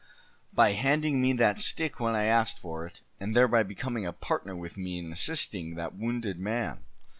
"By handing me that stick when I asked for it, and thereby becoming a partner with me in assisting that wounded man.